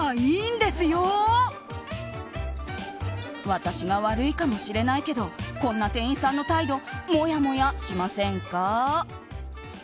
私が悪いかもしれないけどこんな店員さんの態度もやもやしませんか？